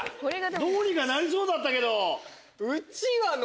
どうにかなりそうだった。